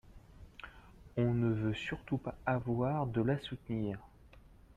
on ne veut surtout pas avoir de la soutenir.